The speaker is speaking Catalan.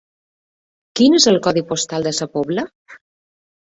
Quin és el codi postal de Sa Pobla?